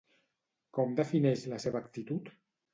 Com defineix la seva actitud?